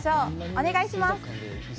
お願いします！